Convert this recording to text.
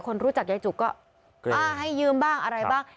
คนรู้จักยายจุกก็อ่าให้ยืมบ้าง